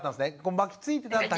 巻きついてただけ。